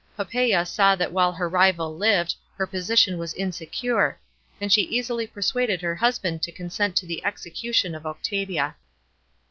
Poppsea saw that while her rival lived, her position was insecure, and she easily persuaded her husband to consent to the execution of Octavia.